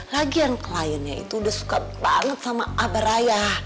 lagian kliennya itu udah suka banget sama abaraya